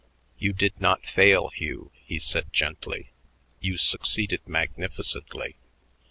"You did not fail, Hugh," he said gently; "you succeeded magnificently.